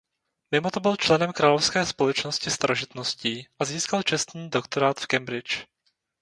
Mimoto byl členem Královské společnosti starožitností a získal čestný doktorát v Cambridge.